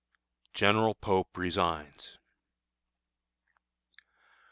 General Pope resigns.